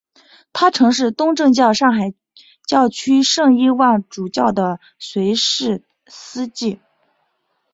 他曾是东正教上海教区圣伊望主教的随侍司祭。